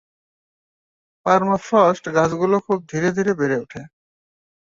Permafrost গাছগুলো খুব ধীরে ধীরে বেড়ে ওঠে।